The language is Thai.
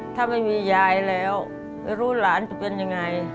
ถ้าไม่มียายแล้วไม่รู้หลานจะเป็นยังไง